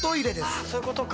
あっそういうことか。